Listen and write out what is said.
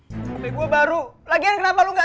sampai gua baru lagian kenapa lu gak